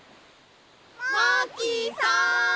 マーキーさん！